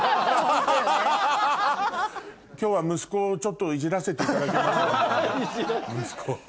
今日は息子をちょっとイジらせていただきます息子を。